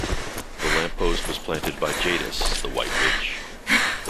The lamp post was planted by Jadis, the White Witch.